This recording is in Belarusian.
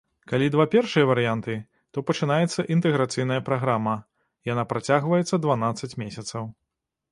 Калі два першыя варыянты, то пачынаецца інтэграцыйная праграма, яна працягваецца дванаццаць месяцаў.